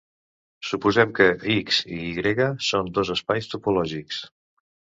Suposem que "X" i "Y" són dos espais topològics.